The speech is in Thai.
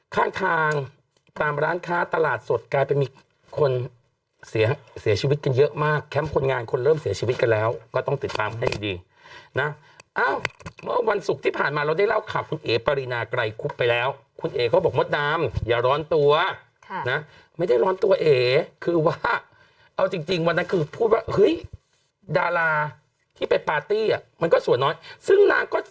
ข้างทางตามร้านค้าตลาดสดกลายเป็นมีคนเสียชีวิตกันเยอะมากแคมป์คนงานคนเริ่มเสียชีวิตกันแล้วก็ต้องติดตามให้ดีนะอ้าวเมื่อวันศุกร์ที่ผ่านมาเราได้เล่าข่าวคุณเอ๋ปรินาไกรคุบไปแล้วคุณเอ๋เขาบอกมดดำอย่าร้อนตัวนะไม่ได้ร้อนตัวเอคือว่าเอาจริงจริงวันนั้นคือพูดว่าเฮ้ยดาราที่ไปปาร์ตี้อ่ะมันก็ส่วนน้อยซึ่งนางก็จะ